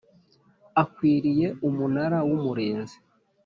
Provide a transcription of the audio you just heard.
akwiriye Umunara w Umurinzi